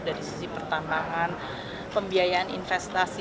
dari sisi pertambangan pembiayaan investasi